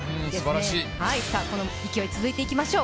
この勢い、続けていきましょう。